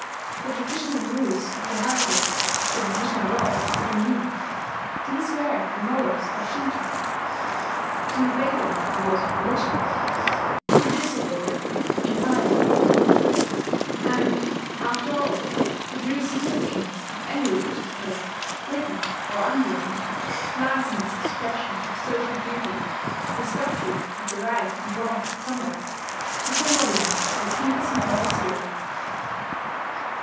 The traditional rules of the household, the traditional laws of the commune these were the morals of Shinto: to obey them was religion; to disobey them, impiety .... And, after all, the true significance of any religious code, written or unwritten, lies in its expression of social duty, its doctrine of the right and wrong of conduct, its embodiment of a people's moral experience.